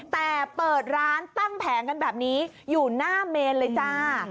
แต่เปิดร้านตั้งแผงกันแบบนี้อยู่หน้าเมนเลยจ้า